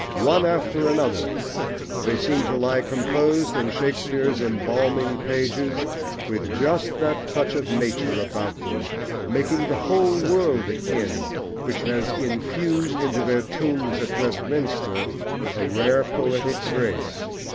One after another, they seem to lie composed in Shakespeare's embalming pages, with just that touch of nature about them, making the whole world akin, which has infused into their tombs at Westminster a rare poetic grace.